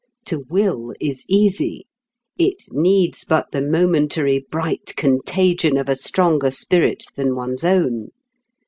To will is easy: it needs but the momentary bright contagion of a stronger spirit than one's own.